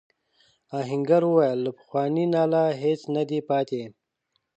آهنګر وویل له پخواني ناله هیڅ نه دی پاتې.